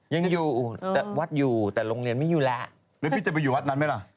ยังอยู่แต่วัดอยู่แต่โรงเรียนไม่อยู่แล้วหรือพี่จะไปอยู่วัดนั้นไหมล่ะ